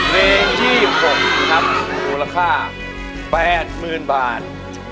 เล็งที่๖ครับมูลค่า๘หมื่นบาท